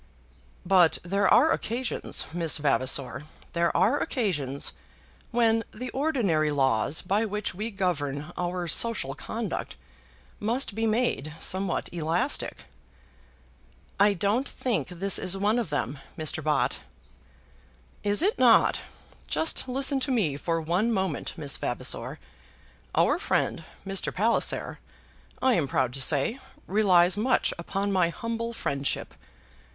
"But there are occasions, Miss Vavasor; there are occasions when the ordinary laws by which we govern our social conduct must be made somewhat elastic." "I don't think this one of them, Mr. Bott." "Is it not? Just listen to me for one moment, Miss Vavasor. Our friend, Mr. Palliser, I am proud to say, relies much upon my humble friendship.